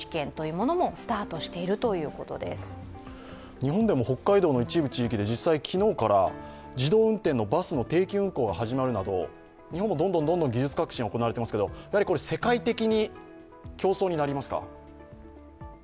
日本でも北海道の一部地域で昨日から自動運転のバスの定期運行が始まるなど、日本もどんどん技術革新が行われていますけれども、やはり世界的に競争になりますか。